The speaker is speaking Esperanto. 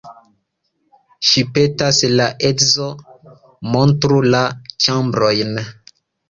Ŝi petas la edzon, montru la ĉambrojn.